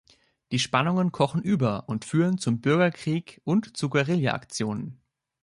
Die Spannungen kochen über und führen zum Bürgerkrieg und zu Guerrillaaktionen.